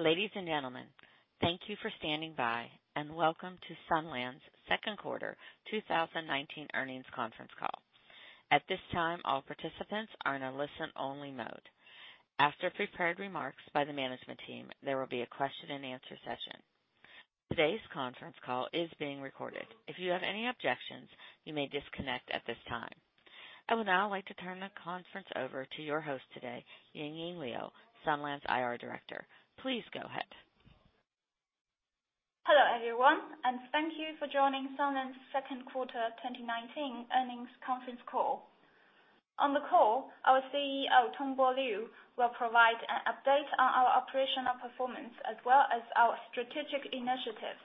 Ladies and gentlemen, thank you for standing by, and welcome to Sunlands' second quarter 2019 earnings conference call. At this time, all participants are in a listen-only mode. After prepared remarks by the management team, there will be a question and answer session. Today's conference call is being recorded. If you have any objections, you may disconnect at this time. I would now like to turn the conference over to your host today, Yingying Liu, Sunlands' IR Director. Please go ahead. Hello, everyone, and thank you for joining Sunlands' second quarter 2019 earnings conference call. On the call, our CEO, Tongbo Liu, will provide an update on our operational performance as well as our strategic initiatives.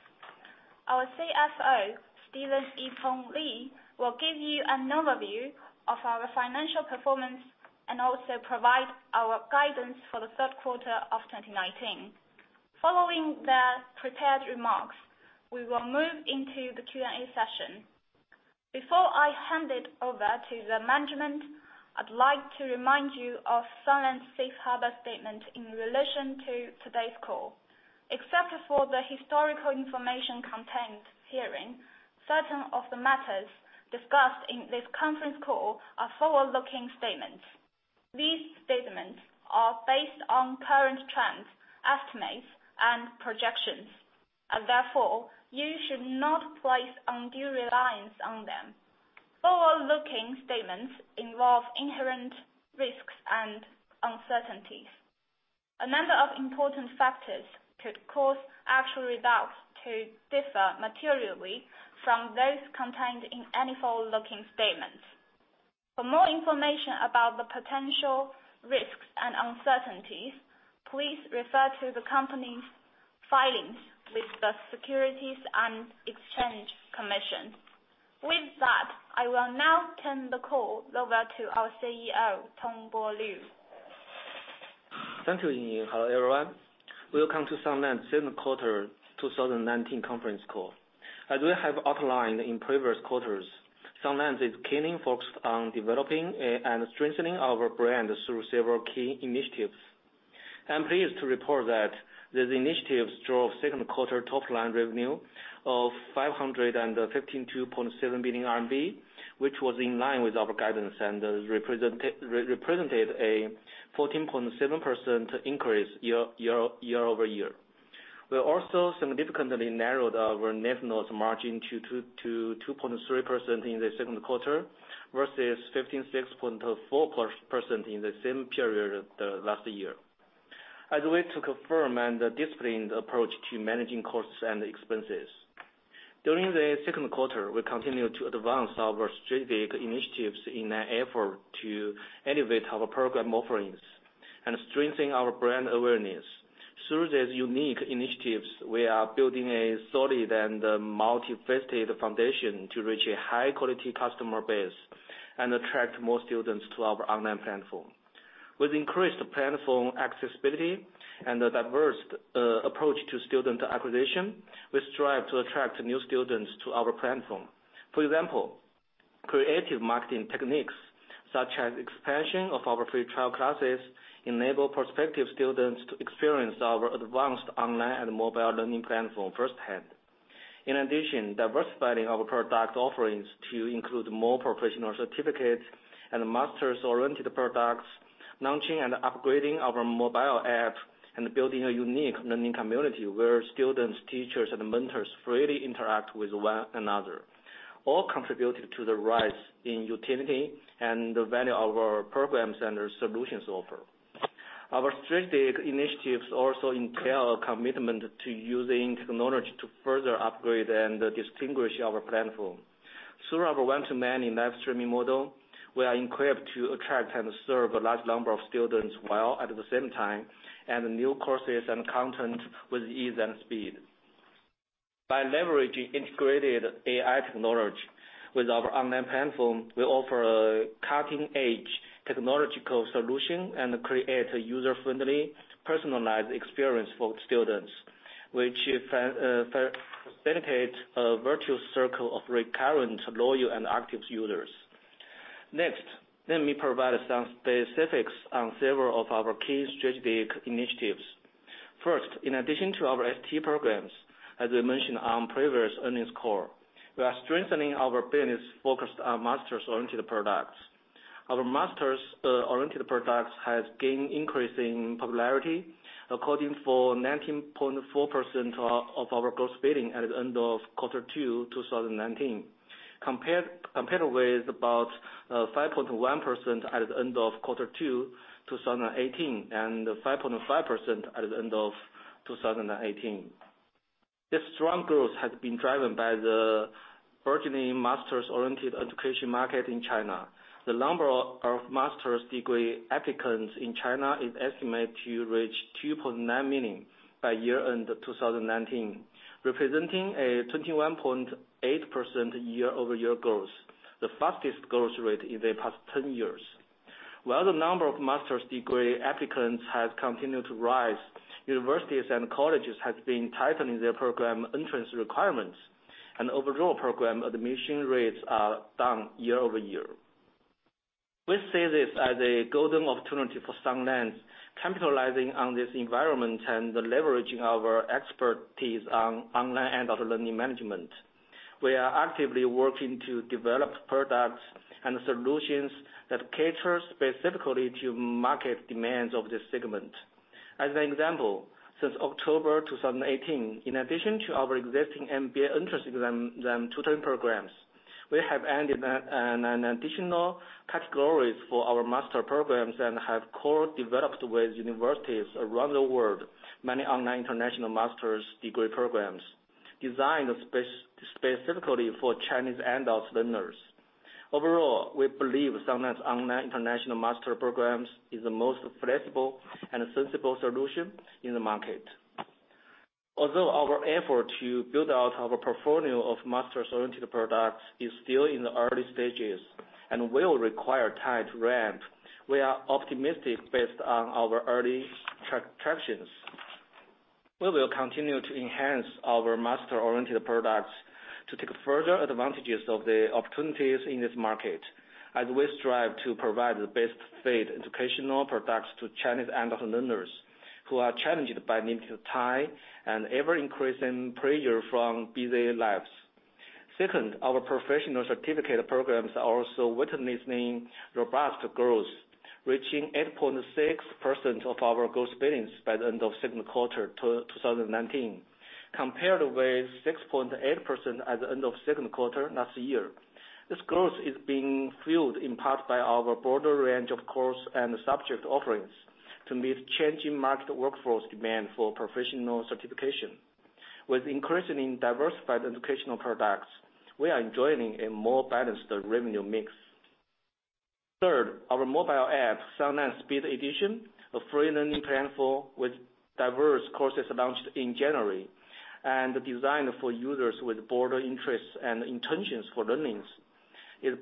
Our CFO, Steven Yipeng Li, will give you an overview of our financial performance and also provide our guidance for the third quarter of 2019. Following the prepared remarks, we will move into the Q&A session. Before I hand it over to the management, I'd like to remind you of Sunlands' safe harbor statement in relation to today's call. Except for the historical information contained herein, certain of the matters discussed in this conference call are forward-looking statements. These statements are based on current trends, estimates, and projections. Therefore, you should not place undue reliance on them. Forward-looking statements involve inherent risks and uncertainties. A number of important factors could cause actual results to differ materially from those contained in any forward-looking statements. For more information about the potential risks and uncertainties, please refer to the company's filings with the Securities and Exchange Commission. With that, I will now turn the call over to our CEO, Tongbo Liu. Thank you, Yingying. Hello, everyone. Welcome to Sunlands' second quarter 2019 conference call. As we have outlined in previous quarters, Sunlands is keenly focused on developing and strengthening our brand through several key initiatives. I'm pleased to report that these initiatives drove second quarter top line revenue of 552.7 million RMB, which was in line with our guidance and represented a 14.7% increase year-over-year. We also significantly narrowed our net loss margin to 2.3% in the second quarter versus 156.4% in the same period of last year, as a way to confirm and discipline the approach to managing costs and expenses. During the second quarter, we continued to advance our strategic initiatives in an effort to elevate our program offerings and strengthen our brand awareness. Through these unique initiatives, we are building a solid and multifaceted foundation to reach a high-quality customer base and attract more students to our online platform. With increased platform accessibility and a diverse approach to student acquisition, we strive to attract new students to our platform. For example, creative marketing techniques such as expansion of our free trial classes enable prospective students to experience our advanced online and mobile learning platform firsthand. In addition, diversifying our product offerings to include more professional certificates and masters-oriented products, launching and upgrading our mobile app, and building a unique learning community where students, teachers, and mentors freely interact with one another all contributed to the rise in utility and the value of our programs and their solutions offer. Our strategic initiatives also entail a commitment to using technology to further upgrade and distinguish our platform. Through our one-to-many live streaming model, we are equipped to attract and serve a large number of students while at the same time, add new courses and content with ease and speed. By leveraging integrated AI technology with our online platform, we offer a cutting-edge technological solution and create a user-friendly, personalized experience for students, which facilitates a virtual circle of recurrent, loyal, and active users. Next, let me provide some specifics on several of our key strategic initiatives. First, in addition to our STE programs, as we mentioned on previous earnings call, we are strengthening our business focused on masters-oriented products. Our masters-oriented products has gained increasing popularity, accounting for 19.4% of our gross billing at the end of quarter two 2019, compared with about 5.1% at the end of quarter two 2018, and 5.5% at the end of 2018. This strong growth has been driven by the burgeoning masters-oriented education market in China. The number of master's degree applicants in China is estimated to reach 2.9 million by year-end 2019, representing a 21.8% year-over-year growth, the fastest growth rate in the past 10 years. While the number of master's degree applicants has continued to rise, universities and colleges have been tightening their program entrance requirements, and overall program admission rates are down year-over-year. We see this as a golden opportunity for Sunlands, capitalizing on this environment and leveraging our expertise on online and adult learning management. We are actively working to develop products and solutions that cater specifically to market demands of this segment. As an example, since October 2018, in addition to our existing MBA entrance exam tutoring programs, we have added an additional categories for our master programs and have co-developed with universities around the world, many online international master's degree programs designed specifically for Chinese adult learners. Overall, we believe Sunlands online international master programs is the most flexible and sensible solution in the market. Although our effort to build out our portfolio of master-oriented products is still in the early stages and will require time to ramp, we are optimistic based on our early tractions. We will continue to enhance our master-oriented products to take further advantages of the opportunities in this market, as we strive to provide the best fit educational products to Chinese adult learners who are challenged by limited time and ever-increasing pressure from busy lives. Second, our professional certification programs are also witnessing robust growth, reaching 8.6% of our gross billings by the end of second quarter 2019, compared with 6.8% at the end of second quarter last year. This growth is being fueled in part by our broader range of course and subject offerings to meet changing market workforce demand for professional certification. With increasing diversified educational products, we are enjoying a more balanced revenue mix. Third, our mobile app, Sunlands Speed Edition, a free learning platform with diverse courses launched in January, and designed for users with broader interests and intentions for learnings, is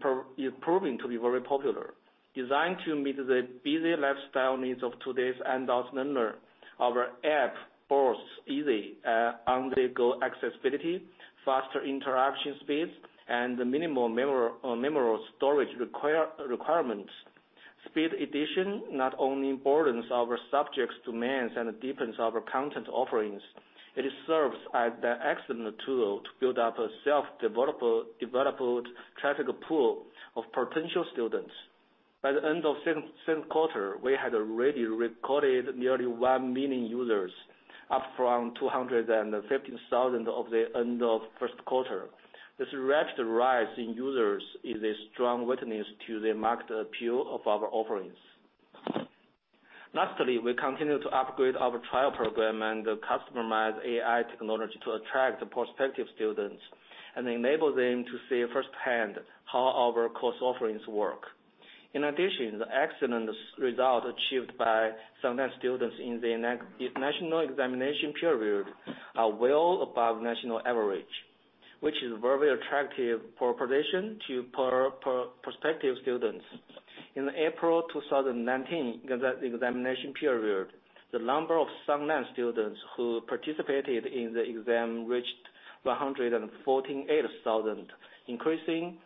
proving to be very popular. Designed to meet the busy lifestyle needs of today's adult learner, our app boasts easy on-the-go accessibility, faster interaction speeds, and minimal memory storage requirements. Speed Edition not only broadens our subjects demands and deepens our content offerings, it serves as an excellent tool to build up a self-developed traffic pool of potential students. By the end of second quarter, we had already recorded nearly 1 million users, up from 215,000 of the end of first quarter. This rapid rise in users is a strong witness to the market appeal of our offerings. Lastly, we continue to upgrade our trial program and customize AI technology to attract prospective students, and enable them to see firsthand how our course offerings work. In addition, the excellent result achieved by some students in the national examination period are well above national average, which is very attractive proposition to prospective students. In April 2019 examination period, the number of Sunlands students who participated in the exam reached 148,000, increasing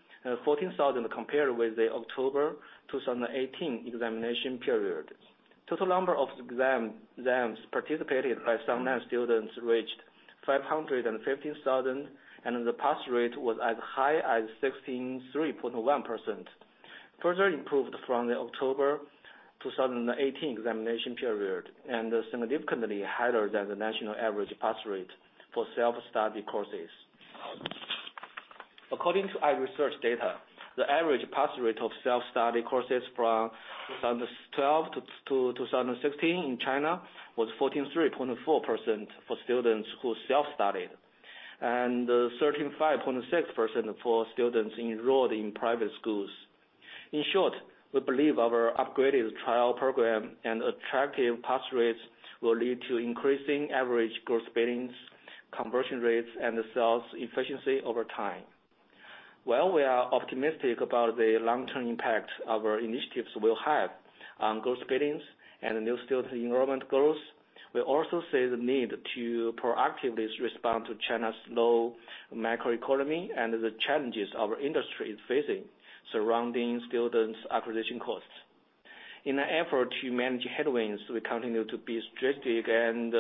14,000 compared with the October 2018 examination period. Total number of exams participated by Sunlands students reached 515,000, and the pass rate was as high as 63.1%. Further improved from the October 2018 examination period, and significantly higher than the national average pass rate for self-study courses. According to our research data, the average pass rate of self-study courses from 2012 to 2016 in China was 43.4% for students who self-studied, and 35.6% for students enrolled in private schools. In short, we believe our upgraded trial program and attractive pass rates will lead to increasing average gross billings, conversion rates, and sales efficiency over time. While we are optimistic about the long-term impact our initiatives will have on gross billings and new student enrollment growth, we also see the need to proactively respond to China's slow macroeconomy and the challenges our industry is facing surrounding students' acquisition costs. In an effort to manage headwinds, we continue to be strategic and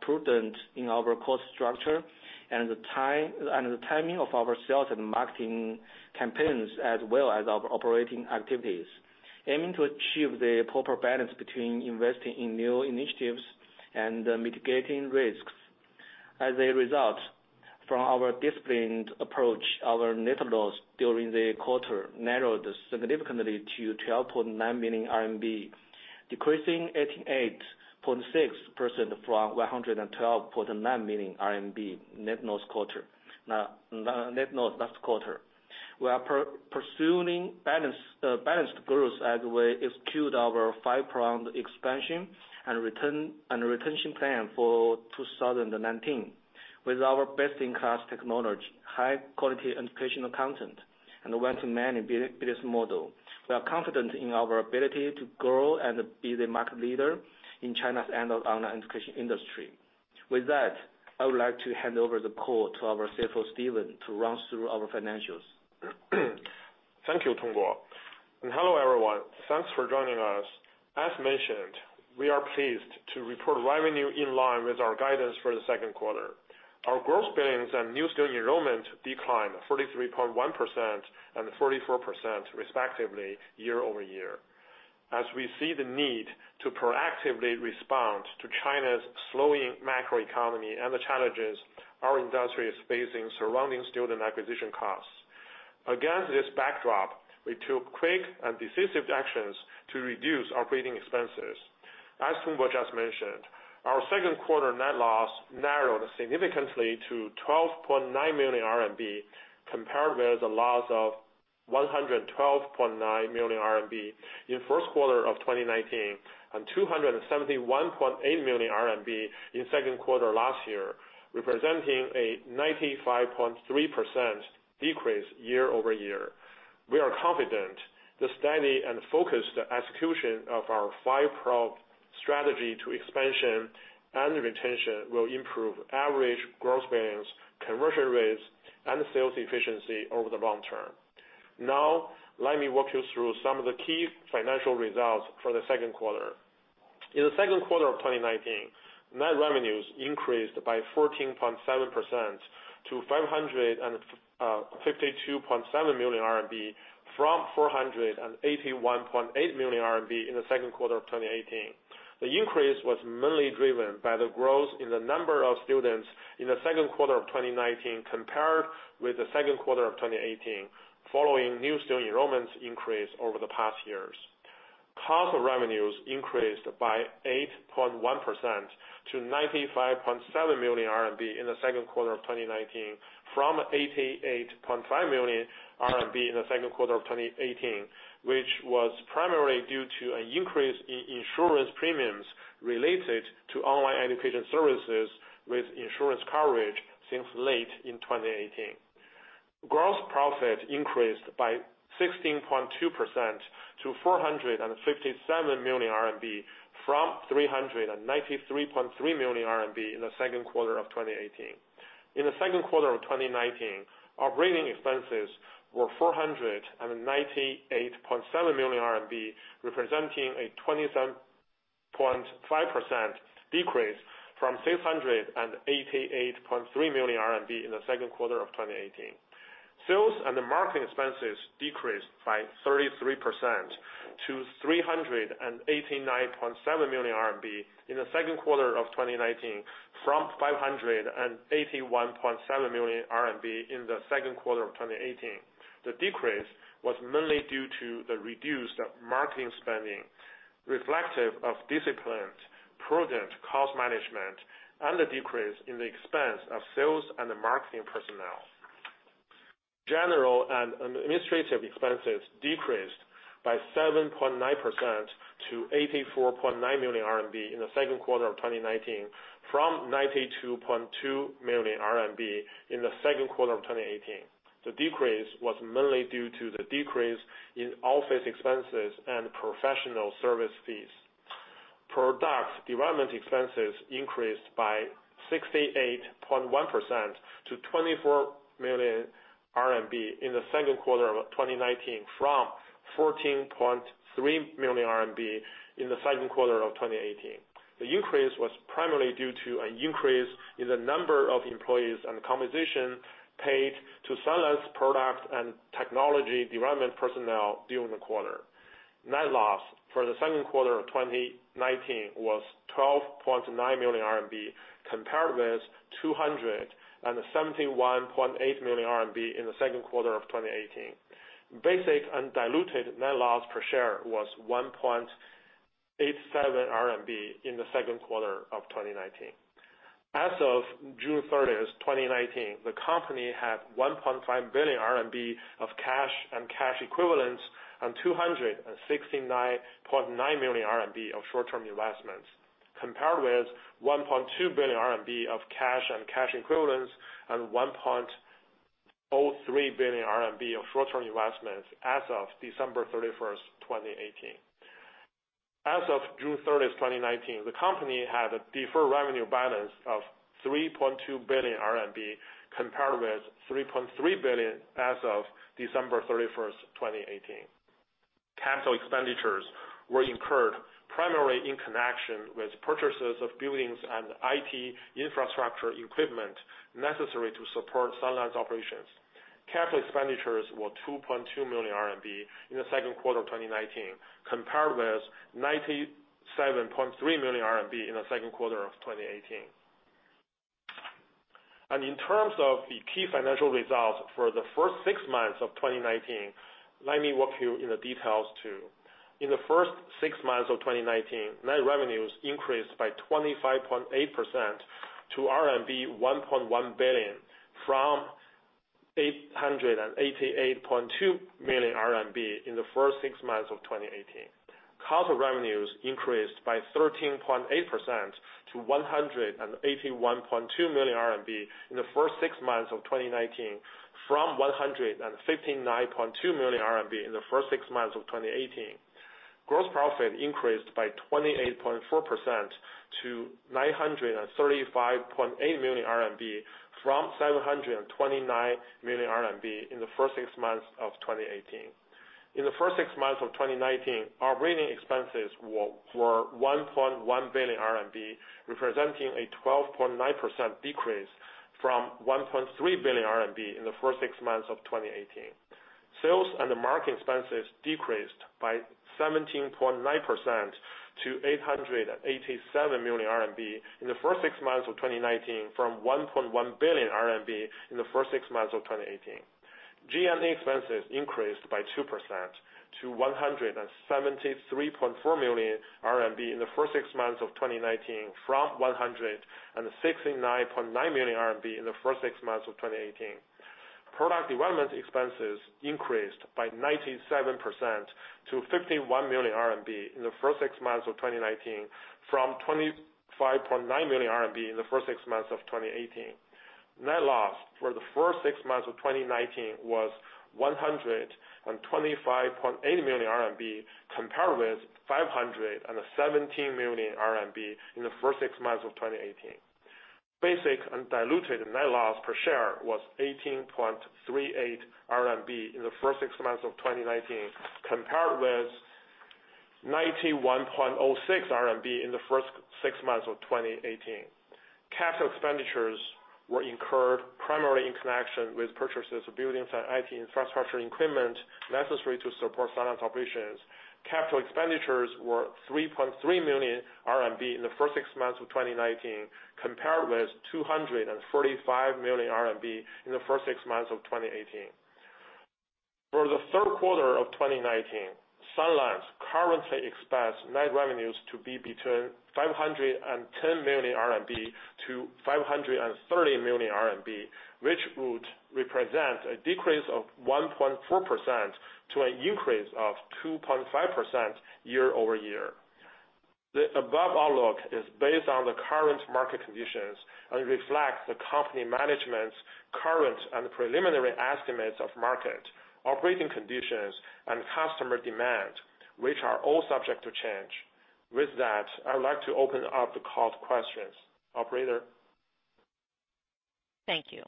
prudent in our cost structure and the timing of our sales and marketing campaigns, as well as our operating activities, aiming to achieve the proper balance between investing in new initiatives and mitigating risks. As a result, from our disciplined approach, our net loss during the quarter narrowed significantly to 12.9 million RMB, decreasing 88.6% from 112.9 million RMB net loss last quarter. We are pursuing balanced growth as we execute our five-pronged expansion and retention plan for 2019. With our best-in-class technology, high-quality educational content, and one-to-many business model, we are confident in our ability to grow and be the market leader in China's adult online education industry. With that, I would like to hand over the call to our CFO, Steven, to run through our financials. Thank you, Tongbo Liu. Hello everyone. Thanks for joining us. As mentioned, we are pleased to report revenue in line with our guidance for the second quarter. Our gross billings and new student enrollment declined 43.1% and 44% respectively year-over-year, as we see the need to proactively respond to China's slowing macro economy and the challenges our industry is facing surrounding student acquisition costs. Against this backdrop, we took quick and decisive actions to reduce our operating expenses. As Tongbo Liu just mentioned, our second quarter net loss narrowed significantly to 12.9 million RMB compared with a loss of 112.9 million RMB in first quarter of 2019, and 271.8 million RMB in second quarter last year, representing a 95.3% decrease year-over-year. We are confident the steady and focused execution of our five-prong strategy to expansion and retention will improve average gross billings, conversion rates, and sales efficiency over the long term. Now, let me walk you through some of the key financial results for the second quarter. In the second quarter of 2019, net revenues increased by 14.7% to 552.7 million RMB from 481.8 million RMB in the second quarter of 2018. The increase was mainly driven by the growth in the number of students in the second quarter of 2019 compared with the second quarter of 2018, following new student enrollments increase over the past years. Cost of revenues increased by 8.1% to 95.7 million RMB in the second quarter of 2019 from 88.5 million RMB in the second quarter of 2018, which was primarily due to an increase in insurance premiums related to online education services with insurance coverage since late in 2018. Gross profit increased by 16.2% to 457 million RMB from 393.3 million RMB in the second quarter of 2018. In the second quarter of 2019, operating expenses were 498.7 million RMB, representing a 27.5% decrease from 688.3 million RMB in the second quarter of 2018. Sales and marketing expenses decreased by 33% to 389.7 million RMB in the second quarter of 2019 from 581.7 million RMB in the second quarter of 2018. The decrease was mainly due to the reduced marketing spending reflective of disciplined, prudent cost management and the decrease in the expense of sales and the marketing personnel. General and administrative expenses decreased by 7.9% to 84.9 million RMB in the second quarter of 2019 from 92.2 million RMB in the second quarter of 2018. The decrease was mainly due to the decrease in office expenses and professional service fees. Product development expenses increased by 68.1% to 24 million RMB in the second quarter of 2019 from 14.3 million RMB in the second quarter of 2018. The increase was primarily due to an increase in the number of employees and compensation paid to Sunlands product and technology development personnel during the quarter. Net loss for the second quarter of 2019 was 12.9 million RMB compared with 271.8 million RMB in the second quarter of 2018. Basic and diluted net loss per share was 1.87 RMB in the second quarter of 2019. As of June 30th 2019, the company had 1.5 billion RMB of cash and cash equivalents, and 269.9 million RMB of short-term investments, compared with 1.2 billion RMB of cash and cash equivalents and 1.03 billion RMB of short-term investments as of December 31st 2018. As of June 30th 2019, the company had a deferred revenue balance of 3.2 billion RMB compared with 3.3 billion as of December 31st 2018. Capital expenditures were incurred primarily in connection with purchases of buildings and IT infrastructure equipment necessary to support Sunlands operations. Capital expenditures were 2.2 million RMB in the second quarter of 2019, compared with 97.3 million RMB in the second quarter of 2018. In terms of the key financial results for the first six months of 2019, let me walk you in the details too. In the first six months of 2019, net revenues increased by 25.8% to RMB 1.1 billion, from 888.2 million RMB in the first six months of 2018. Cost of revenues increased by 13.8% to 181.2 million RMB in the first six months of 2019 from 159.2 million RMB in the first six months of 2018. Gross profit increased by 28.4% to RMB 935.8 million from 729 million RMB in the first six months of 2018. In the first six months of 2019, our operating expenses were 1.1 billion RMB, representing a 12.9% decrease from 1.3 billion RMB in the first six months of 2018. Sales and marketing expenses decreased by 17.9% to 887 million RMB in the first six months of 2019 from 1.1 billion RMB in the first six months of 2018. GM expenses increased by 2% to 173.4 million RMB in the first six months of 2019 from 169.9 million RMB in the first six months of 2018. Product development expenses increased by 97% to 51 million RMB in the first six months of 2019 from 25.9 million RMB in the first six months of 2018. Net loss for the first six months of 2019 was 125.8 million RMB, compared with 517 million RMB in the first six months of 2018. Basic and diluted net loss per share was 18.38 RMB in the first six months of 2019, compared with 91.06 RMB in the first six months of 2018. Capital expenditures were incurred primarily in connection with purchases of buildings and IT infrastructure equipment necessary to support Sunlands' operations. Capital expenditures were 3.3 million RMB in the first six months of 2019, compared with 245 million RMB in the first six months of 2018. For the third quarter of 2019, Sunlands currently expects net revenues to be between 510 million-530 million RMB, which would represent a decrease of 1.4% to an increase of 2.5% year-over-year. The above outlook is based on the current market conditions and reflects the company management's current and preliminary estimates of market operating conditions and customer demand, which are all subject to change. With that, I would like to open up the call to questions. Operator? Thank you.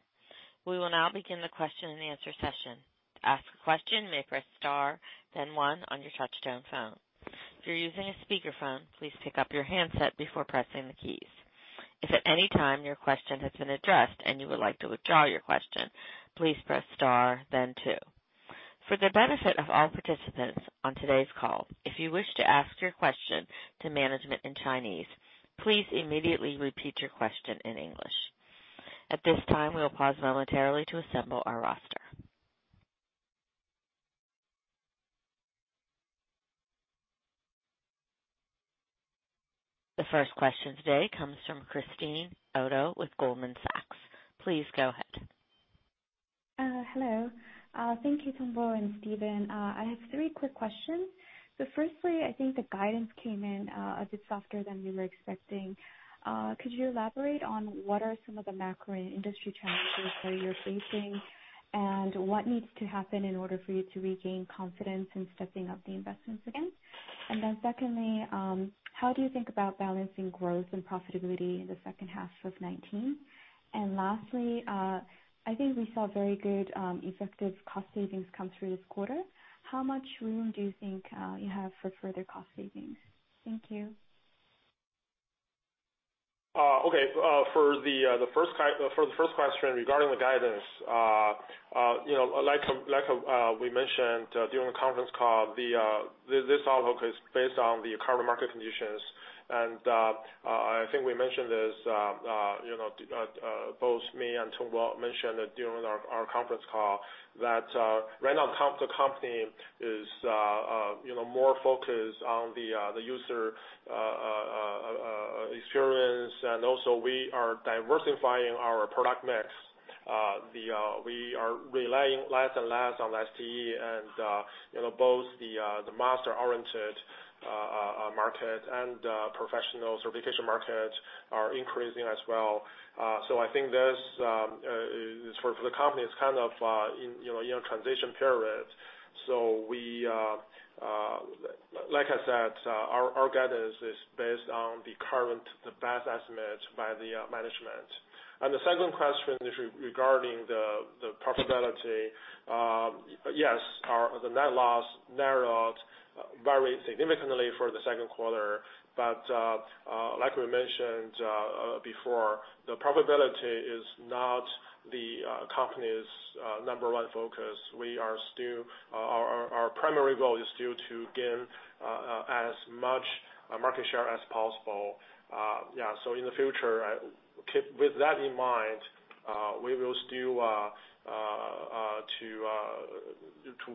We will now begin the question and answer session. To ask a question, may press star, then one on your touchtone phone. If you're using a speakerphone, please pick up your handset before pressing the keys. If at any time your question has been addressed and you would like to withdraw your question, please press star then two. For the benefit of all participants on today's call, if you wish to ask your question to management in Chinese, please immediately repeat your question in English. At this time, we will pause momentarily to assemble our roster. The first question today comes from Hyun Jin Cho with Goldman Sachs. Please go ahead. Hello. Thank you, Tongbo and Steven. I have three quick questions. Firstly, I think the guidance came in a bit softer than we were expecting. Could you elaborate on what are some of the macro and industry trends that you're facing, and what needs to happen in order for you to regain confidence in stepping up the investments again? Secondly, how do you think about balancing growth and profitability in the second half of 2019? Lastly, I think we saw very good effective cost savings come through this quarter. How much room do you think you have for further cost savings? Thank you. Okay. For the first question regarding the guidance, like we mentioned during the conference call, this outlook is based on the current market conditions. I think we mentioned this, both me and Tongbo mentioned during our conference call that right now the company is more focused on the user experience. Also we are diversifying our product mix. We are relying less and less on STE. Both the master-oriented market and professional certification market are increasing as well. I think for the company, it's in a transition period. Like I said, our guidance is based on the current, the best estimates by the management. The second question is regarding the profitability. Yes, the net loss narrowed very significantly for the second quarter. Like we mentioned before, the profitability is not the company's number one focus. Our primary goal is still to gain as much market share as possible. Yeah, in the future, with that in mind, we will still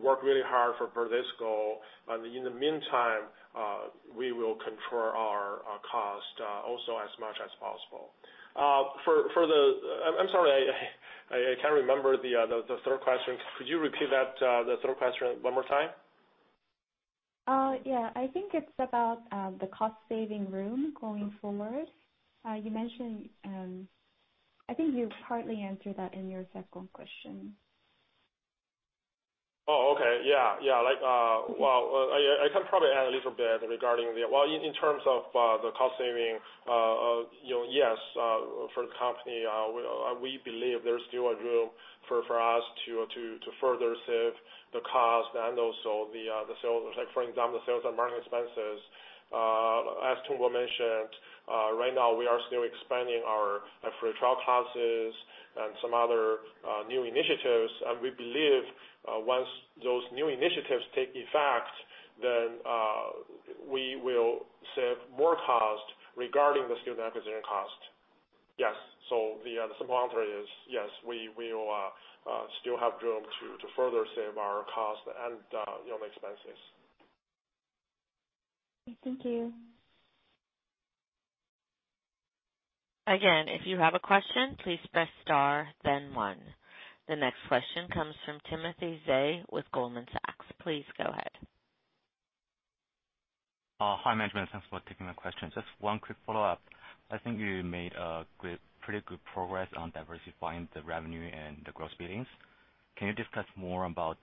work really hard for this goal. In the meantime, we will control our cost also as much as possible. I'm sorry, I can't remember the third question. Could you repeat the third question one more time? Yeah. I think it's about the cost-saving room going forward. I think you partly answered that in your second question. Oh, okay. Yeah. I can probably add a little bit regarding that. In terms of the cost saving, yes, for the company, we believe there's still room for us to further save the cost and also the sales. For example, the sales and marketing expenses. As Tongbo mentioned, right now we are still expanding our free trial classes and some other new initiatives. We believe once those new initiatives take effect, then we will save more cost regarding the student acquisition cost. Yes. The simple answer is yes, we will still have room to further save our cost and expenses. Thank you. Again, if you have a question, please press star then one. The next question comes from Timothy Zhao with Goldman Sachs. Please go ahead. Hi, management. Thanks for taking my question. Just one quick follow-up. I think you made pretty good progress on diversifying the revenue and the gross billings. Can you discuss more about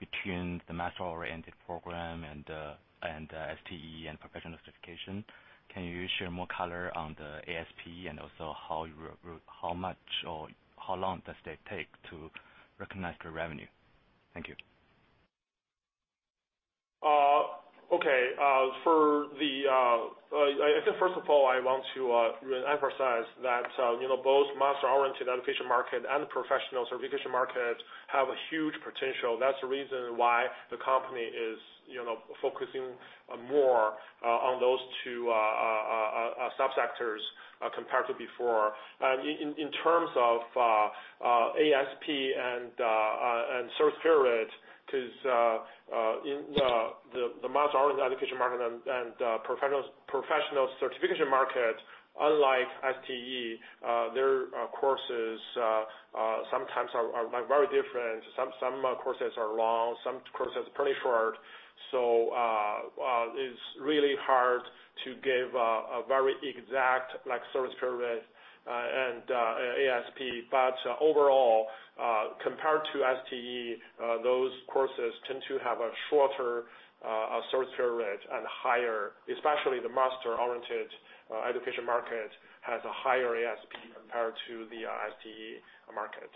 between the master-oriented program and STE and professional certification? Can you share more color on the ASP and also how much or how long does that take to recognize the revenue? Thank you. I think, first of all, I want to emphasize that both master-oriented education market and Professional Certification Market have a huge potential. That's the reason why the company is focusing more on those two sub-sectors compared to before. In terms of ASP and service period, because the master-oriented education market and Professional Certification Market, unlike STE, their courses sometimes are very different. Some courses are long, some courses are pretty short. It's really hard to give a very exact service period and ASP. Overall, compared to STE, those courses tend to have a shorter service period and higher, especially the master-oriented education market, has a higher ASP compared to the STE market.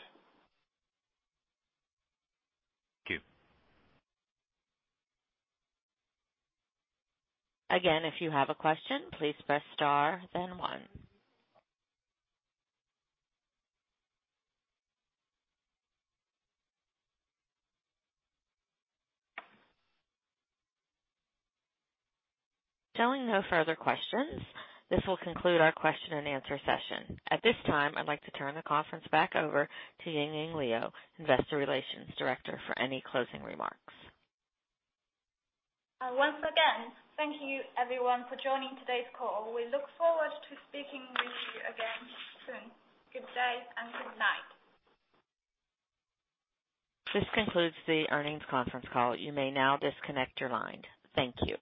Thank you. If you have a question, please press star then one. Showing no further questions. This will conclude our question and answer session. At this time, I'd like to turn the conference back over to Yingying Liu, Investor Relations Director, for any closing remarks. Once again, thank you everyone for joining today's call. We look forward to speaking with you again soon. Good day and good night. This concludes the earnings conference call. You may now disconnect your line. Thank you.